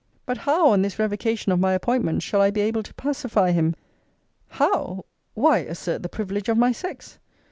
But, how, on this revocation of my appointment, shall I be able to pacify him? How! Why assert the privilege of my sex!